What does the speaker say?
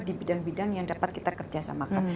di bidang bidang yang dapat kita kerjasamakan